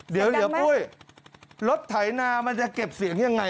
เดี๋ยวปุ้ยรถไถนามันจะเก็บเสียงยังไง